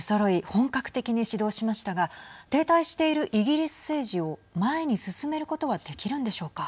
本格的に始動しましたが停滞しているイギリス政治を前に進めることはできるんでしょうか。